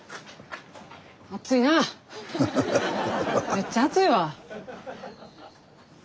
めっちゃ熱いわ。